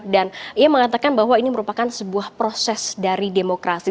dan ia mengatakan bahwa ini merupakan sebuah proses dari demokrasi